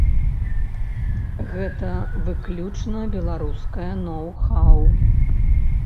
Гэта выключна беларускае ноу-хаў.